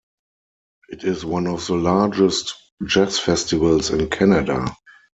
It is one of the largest jazz festivals in Canada.